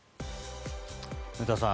古田さん